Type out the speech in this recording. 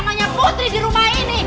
namanya putri di rumah ini